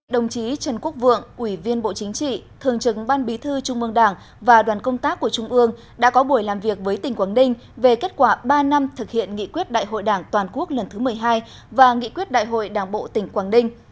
đồng chí trần quốc vượng ủy viên bộ chính trị thường trực ban bí thư trung mương đảng và đoàn công tác của trung ương đã có buổi làm việc với tỉnh quảng ninh về kết quả ba năm thực hiện nghị quyết đại hội đảng toàn quốc lần thứ một mươi hai và nghị quyết đại hội đảng bộ tỉnh quảng ninh